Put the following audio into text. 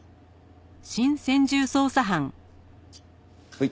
はい。